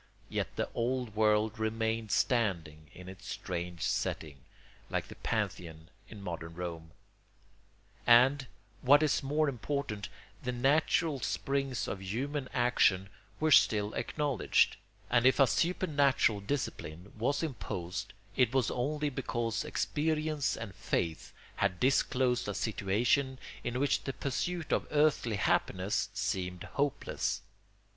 Yet the old world remained standing in its strange setting, like the Pantheon in modern Rome; and, what is more important, the natural springs of human action were still acknowledged, and if a supernatural discipline was imposed, it was only because experience and faith had disclosed a situation in which the pursuit of earthly happiness seemed hopeless.